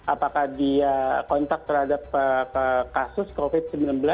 apakah dia kontak terhadap kasus covid sembilan belas